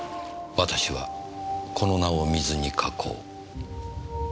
「私はこの名を水に書こう」